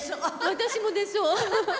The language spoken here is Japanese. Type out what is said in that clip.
私も出そう。